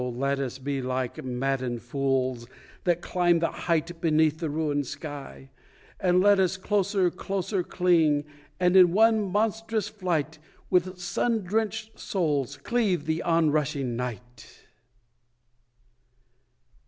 let us be like maddened fools that climb the height Beneath the ruin'd sky; and let us closer, closer cling, And in one monstrous flight, With sun drenched souls, cleave the on rushing night!